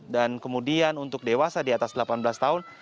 dan kemudian untuk dewasa di atas delapan belas tahun